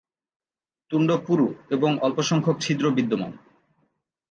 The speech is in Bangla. তুণ্ড পুরু এবং অল্প সংখ্যক ছিদ্র বিদ্যমান।